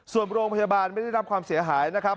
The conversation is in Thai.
ส่วนโรงพยาบาลไม่ได้รับความเสียหายนะครับ